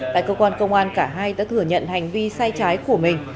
tại công an công an cả hai đã thừa nhận hành vi sai trái của mình